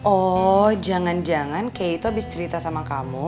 oh jangan jangan kay itu habis cerita sama kamu